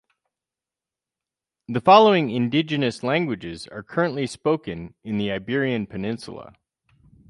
The following indigenous languages are currently spoken in the Iberian Peninsula.